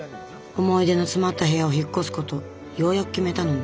思い出の詰まった部屋を引っ越すことようやく決めたのに。